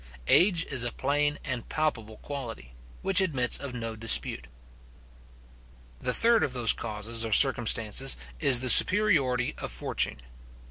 Age is a plain and palpable quality, which admits of no dispute. The third of those causes or circumstances, is the superiority of fortune.